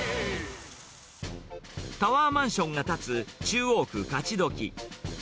タワーマンションが建つ中央区勝どき。